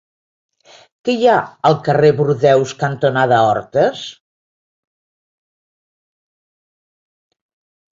Què hi ha al carrer Bordeus cantonada Hortes?